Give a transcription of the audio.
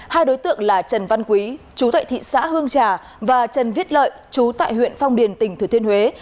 hai đối tượng là trần văn quý chú tại thị xã hương trà và trần viết lợi chú tại huyện phong điền tỉnh thừa thiên huế